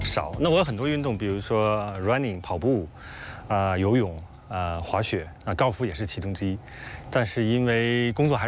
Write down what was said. เกอร์เคอร์บอกว่าเขายังเล่นกีฬาเยอะมาก